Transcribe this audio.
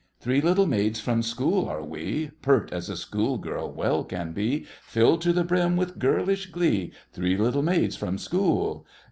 Three little maids from school are we, Pert as a school girl well can be, Filled to the brim with girlish glee, Three little maids from school!